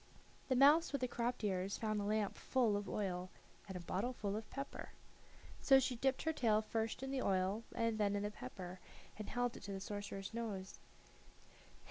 The mouse with the cropped ears found a lamp full of oil and a bottle full of pepper. So she dipped her tail first in the oil and then in the pepper, and held it to the sorcerer's nose.